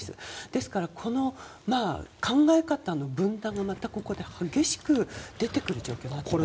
ですから、考え方の分断がまたここで激しく出てくる状況です。